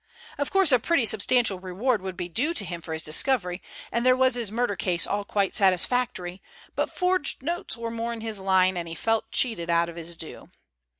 Of course a pretty substantial reward would be due to him for his discovery, and there was his murder case all quite satisfactory, but forged notes were more in his line, and he felt cheated out of his due.